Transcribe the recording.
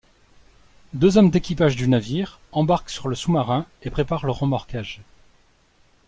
Deux hommes d'équipage du navire embarquent sur le sous-marin et préparent le remorquage.